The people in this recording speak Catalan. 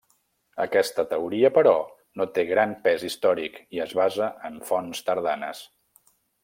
Aquesta teoria, però, no té gran pes històric i es basa en fonts tardanes.